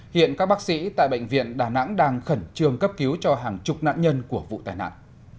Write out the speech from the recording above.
hiện các bác sĩ tại bệnh viện đà nẵng đang khẩn trương cấp cứu cho hàng chục nạn nhân của vụ tai nạn